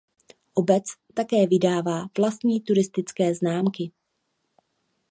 Obec také vydává vlastní turistické známky.